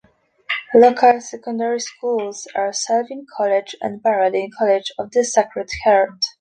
Local secondary schools are Selwyn College and Baradene College of the Sacred Heart.